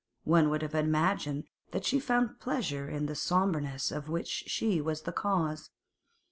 One would have imagined that she found pleasure in the sombreness of which she was the cause.